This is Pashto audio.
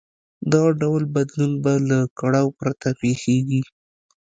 دغه ډول بدلون به له کړاو پرته پېښېږي.